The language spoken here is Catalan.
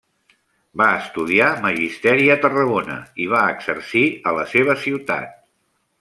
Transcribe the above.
Va estudiar magisteri a Tarragona i va exercir a la seva ciutat.